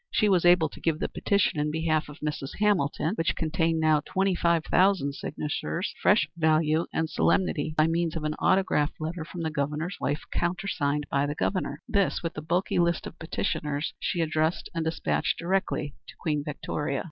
She was able to give the petition in behalf of Mrs. Hamilton, which contained now twenty five thousand signatures, fresh value and solemnity by means of an autograph letter from the Governor's wife, countersigned by the Governor. This, with the bulky list of petitioners, she addressed and despatched directly to Queen Victoria.